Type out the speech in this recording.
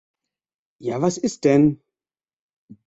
Ja was ist denn?